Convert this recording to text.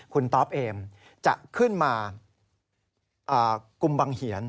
คุณต๊อปเอมจะขึ้นมากุมบังเหียน